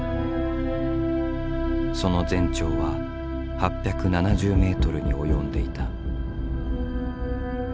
その全長は８７０ｍに及んでいた。